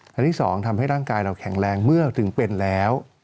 อันที่๒ทำให้ร่างกายเราแข็งแรงเมื่อถึงเป็นแล้ว